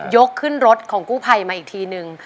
ยกขึ้นรถของกู้ภัยมาอีกทีนึง